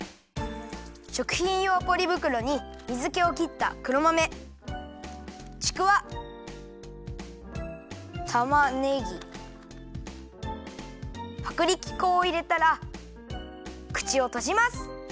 しょくひんようポリぶくろに水けをきった黒豆ちくわたまねぎはくりき粉をいれたらくちをとじます。